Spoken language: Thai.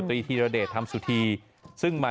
ที่พระปัชโนวาสมิตรทองศาสตรีที